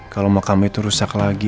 kalau makam itu rusak lagi